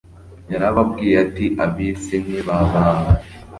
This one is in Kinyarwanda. Yarababwiye ati "Ab'isi ntibabanga,